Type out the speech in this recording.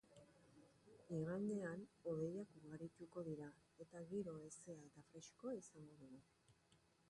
Igandean hodeiak ugarituko dira eta giro hezea eta freskoa izango dugu.